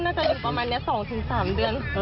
น่าจะอยู่ประมาณนี้๒๓เดือน